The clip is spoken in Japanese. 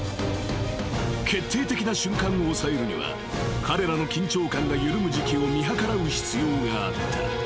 ［決定的な瞬間を押さえるには彼らの緊張感が緩む時期を見計らう必要があった］